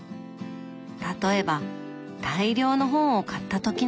例えば大量の本を買った時のこと。